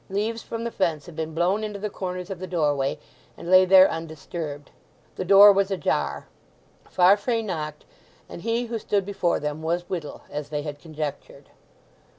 Leaves from the fence had been blown into the corners of the doorway, and lay there undisturbed. The door was ajar; Farfrae knocked; and he who stood before them was Whittle, as they had conjectured.